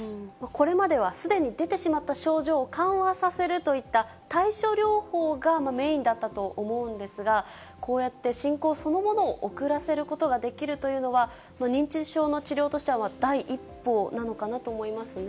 これまではすでに出てしまった症状を緩和させるといった、対処療法がメインだったと思うんですが、こうやって進行そのものを遅らせることができるというのは、認知症の治療としては第一歩なのかなと思いますね。